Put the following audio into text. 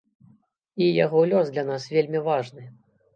І яго лёс для нас вельмі важны.